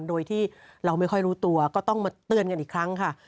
โดยที่เราไม่ค่อยรู้ตัวก็ต้องมาเตือนกันอีกครั้งค่ะ